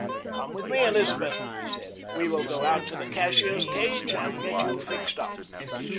"Come with me, Elizabeth," he said; "we will go out to the cashier's cage and get you fixed up."